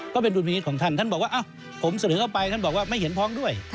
ก็เป็นธุรกิจของท่านท่านบอกว่าอ้าวผมเสริมเข้าไปท่านบอกว่าไม่เห็นพ้องด้วย